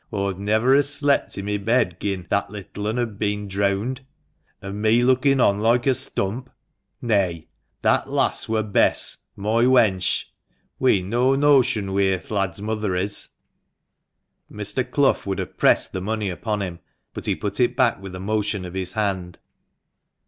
Aw'd never ha' slept i' my bed gin that little un had bin dreawned, an' me lookin' on loike a stump. Neay ; that lass wur Bess, moi wench. We'n no notion wheere th' lad's mother is." Mr. Clough would have pressed the money upon him, but he put it back with a motion of his hand.